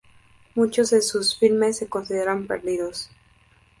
Muchos de sus filmes se consideran perdidos.